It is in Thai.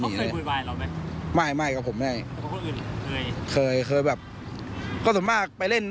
แล้วก็เดินหน่อยกันเดินหนีเลย